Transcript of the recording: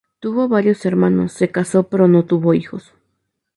Tuvo varios hermanos, se casó pero no tuvo hijos.